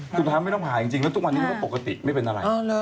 ทุกวันนี้นั่นปกติไม่เป็นอะไร